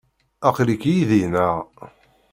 Aql-ik yid-i, naɣ?